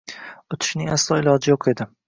O‘tishning aslo iloji yo‘q edi